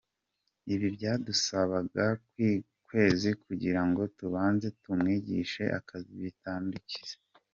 Ibi byadusabaga nk’ukwezi kugira ngo tubanze tumwigishe akazi bikatudindiza.